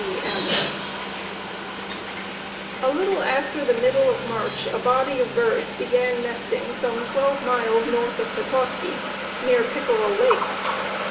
W. B. M. A little after the middle of March a body of birds began nesting some twelve miles north of Petoskey, near Pickerel Lake.